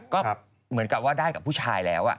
ก็เหมือนกับว่าได้กับผู้ชายแล้ว